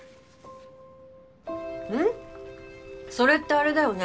それってあれだよね。